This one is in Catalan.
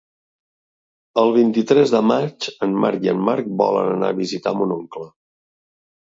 El vint-i-tres de maig en Marc i en Marc volen anar a visitar mon oncle.